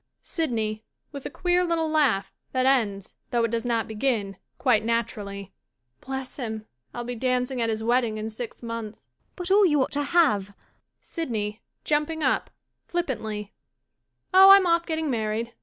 SYDNEY [With a queer little laugh that ends, though it does not begin, quite naturally.'] Bless him, I'll be dancing at his wedding in six months. MARGARET But all you ought to have — SYDNEY [Jumping up, ftippantlyJ] Oh, I'm oflF getting married.